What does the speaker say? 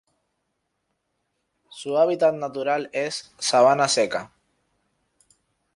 Su hábitat natural es: sabana seca.